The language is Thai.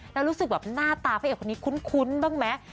แล้วรู้สึกแบบหน้าตาพระเอกคนนี้คุ้นบ้างไหม